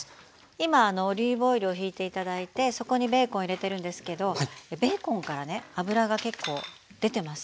今オリーブオイルをひいて頂いてそこにベーコン入れてるんですけどベーコンからね脂が結構出てますよね。